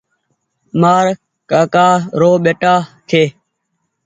مآر ڪآڪآ رو ٻيٽآ ڇي۔